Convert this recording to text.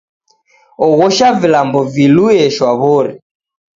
Oghosha vilambo vilue shwaw'ori